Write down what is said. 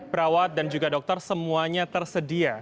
perawat dan juga dokter semuanya tersedia